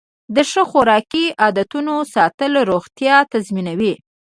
د ښه خوراکي عادتونو ساتل روغتیا تضمینوي.